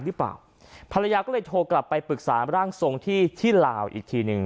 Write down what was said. หรือเปล่าภรรยาก็เลยโทรกลับไปปรึกษาร่างทรงที่ที่ลาวอีกทีหนึ่ง